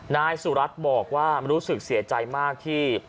นายสุรัตน์บอกว่ารู้สึกเสียใจมากที่